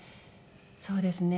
そうですね。